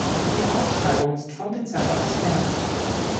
Die Ausschreibung ist von Dezember bis März.